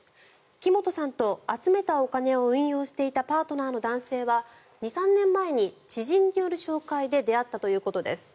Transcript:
木本さんと集めたお金を運用していたパートナーの男性は２３年前に知人による紹介で出会ったということです。